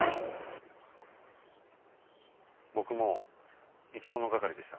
僕も生き物係でした。